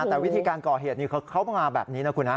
แต่วิธีการก่อเหตุนี้เขามาแบบนี้นะคุณฮะ